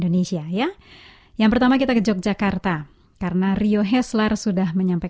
hanya dia satu satunya ala sungguh baik